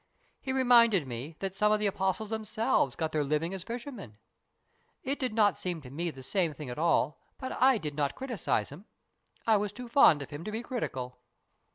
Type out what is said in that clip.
He reminded me that some of the apostles themselves got their living as fishermen. It did not seem to me the same thing at all, but I did not criticize him. I was too fond of him to be critical.